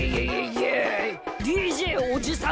ＤＪおじさんです！